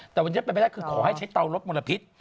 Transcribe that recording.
แต่วันนี้เป็นไปได้คือขอให้ใช้เตาลดมลพิษ